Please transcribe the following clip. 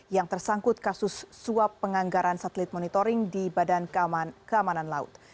yang tersangkut kasus suap penganggaran satelit monitoring di badan keamanan laut